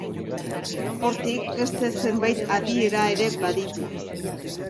Hortik, beste zenbait adiera ere baditu.